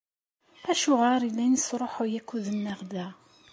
Acuɣer i la nesṛuḥuy akud-nneɣ da?